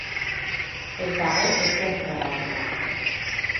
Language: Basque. Ez dago ezer frogatuta.